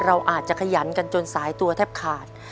เราอาจจะขยันกันจนสายตัวแทบขาด